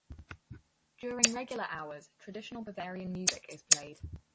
During regular hours traditional Bavarian music is played.